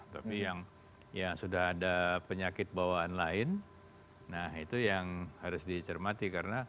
tapi yang ya sudah ada penyakit bawaan lain nah itu yang harus dicermati karena